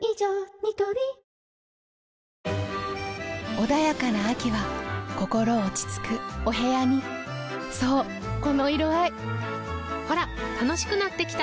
ニトリ穏やかな秋は心落ち着くお部屋にそうこの色合いほら楽しくなってきた！